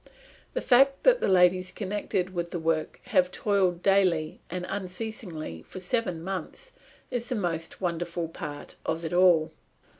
The fact that the ladies connected with the work have toiled daily and unceasingly for seven months is the most wonderful part of it all."